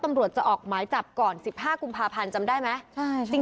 ตำรวจจะออกหมายจับก่อน๑๕กุมภาพันธ์จำได้ไหม